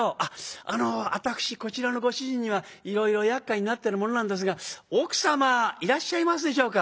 「あの私こちらのご主人にはいろいろやっかいになってる者なんですが奥様いらっしゃいますでしょうか？」。